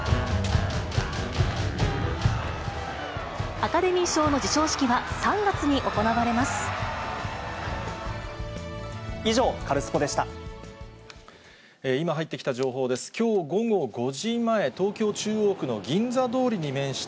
アカデミー賞の授賞式は３月に行以上、カルスポっ！でした。